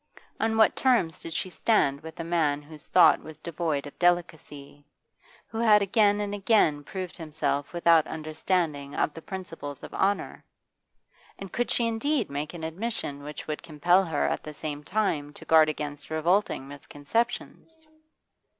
On what terms did she stand with a man whose thought was devoid of delicacy, who had again and again proved himself without understanding of the principles of honour? And could she indeed make an admission which would compel her at the same time to guard against revolting misconceptions?